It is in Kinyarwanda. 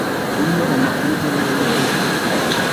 umpe amakuru nkeneye yose